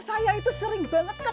saya itu sering banget kan